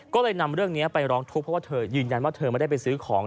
ก็เลยนำเรื่องนี้ไปร้องทุกข์เพราะว่าเธอยืนยันว่าเธอไม่ได้ไปซื้อของ